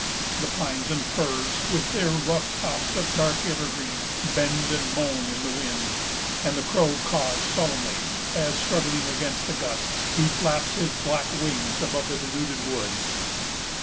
The pines and firs, with their rough tops of dark evergreen, bend and moan in the wind; and the crow caws sullenly, as, struggling against the gusts, he flaps his black wings above the denuded woods.